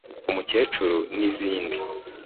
Umukecuru n’izindi